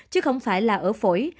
chứ không phải là ở phổi